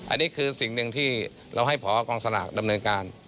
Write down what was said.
อันนี้คือสิ่งหนึ่งที่เราให้พอกองสลากดำเนินการ